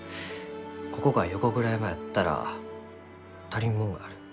ここが横倉山やったら足りんもんがある。